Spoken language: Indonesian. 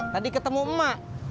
tadi ketemu emak